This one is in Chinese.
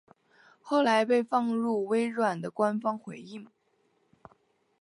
后来被放入微软的官方回应。